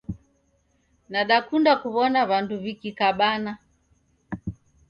Nadakunda kuwona wandu wikikabana